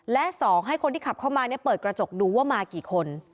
และ๒ให้คนที่ขับเข้ามาเปิดกระจกดูว่ามากี่คน